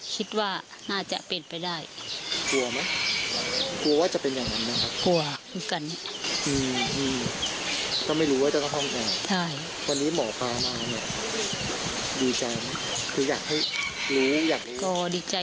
ฟังเสียงคุณรถดูนะคะ